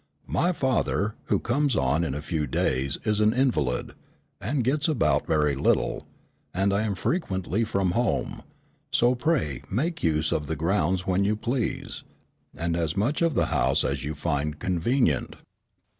My father, who comes on in a few days is an invalid, and gets about very little, and I am frequently from home, so pray make use of the grounds when you please, and as much of the house as you find convenient."